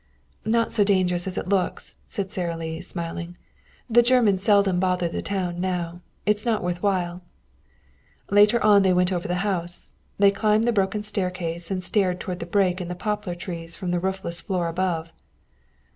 "Not so dangerous as it looks," said Sara Lee, smiling. "The Germans seldom bother the town now. It is not worth while." Later on they went over the house. They climbed the broken staircase and stared toward the break in the poplar trees, from the roofless floor above.